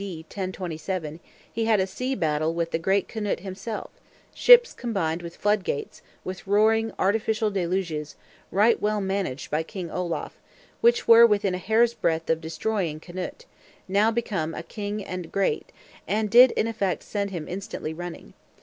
D. 1027), he had a sea battle with the great Knut himself, ships combined with flood gates, with roaring, artificial deluges; right well managed by King Olaf; which were within a hair's breadth of destroying Knut, now become a King and Great; and did in effect send him instantly running.